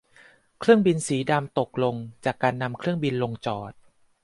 เครื่องบินลำสีดำตกลงจากการนำเครื่องบินลงจอด